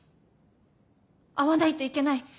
会わないといけない。